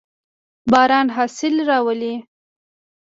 باران حاصل راولي.